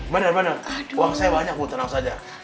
bener bener uang saya banyak bu tenang saja